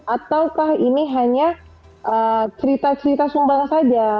ataukah ini hanya cerita cerita sumba saja